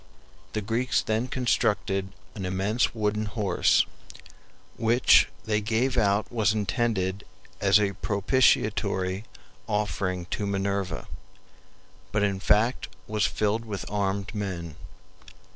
The Greeks then constructed an immense WOODEN HORSE, which they gave out was intended as a propitiatory offering to Minerva, but in fact was filled with armed men.